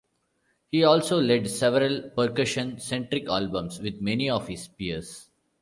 He also led several percussion-centric albums with many of his peers.